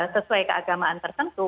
sesuai keagamaan tersentuh